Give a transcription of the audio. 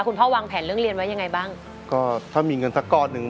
คุณพ่อวางแผนเรื่องเรียนไว้ยังไงบ้างก็ถ้ามีเงินสักก้อนหนึ่ง